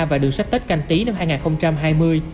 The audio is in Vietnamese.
và đường sách tết canh tí năm hai nghìn hai mươi